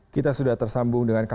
kita sudah tersambung dengan